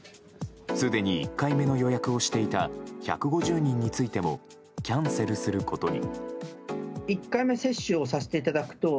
すでに１回目の予約をしていた１５０人についてもキャンセルすることに。